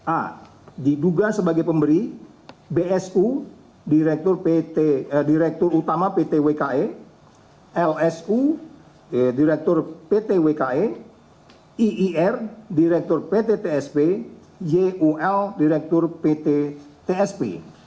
a diduga sebagai pemberi bsu direktur utama ptwke lsu direktur ptwke iir direktur pttsp yul direktur pttsp